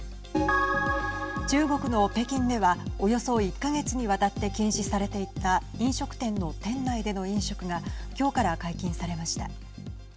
中国の北京ではおよそ１か月にわたって禁止されていた飲食店の店内での飲食がきょうから解禁されました。